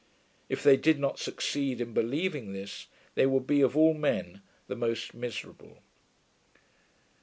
If they did not succeed in believing this, they would be of all men the most miserable.